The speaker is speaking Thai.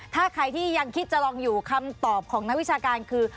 ถ้าใครที่ยังคิดจะลองอยู่คำตอบของนักวิชาการคือ